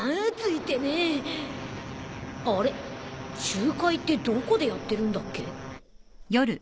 集会ってどこでやってるんだっけ？